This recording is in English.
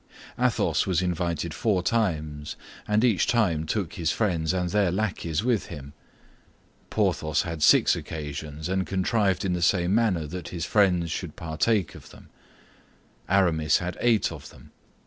Athos was invited four times, and each time took his friends and their lackeys with him. Porthos had six occasions, and contrived in the same manner that his friends should partake of them; Aramis had eight of them.